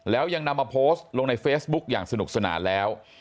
แล้วยังนำมาโพสต์ลงในเฟซบุ๊กอย่างสนุกสนานแล้ว